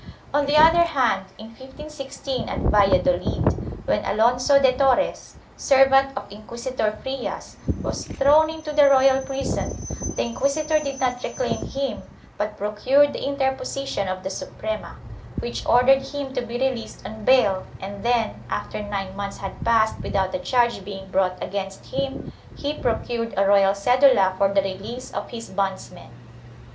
3 On the other hand, in 1516 at Valladolid, when Alonso de Torres, servant of Inquisitor Frias, was thrown into the royal prison, the inquisitor did not reclaim him but procured the interposition of the Suprema, which ordered him to be released on bail and then, after nine months had passed without a charge being brought against him, he procured a royal cedula for the release of his bondsmen.